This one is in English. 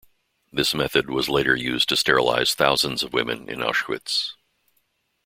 This method was later used to sterilize thousands of women in Auschwitz.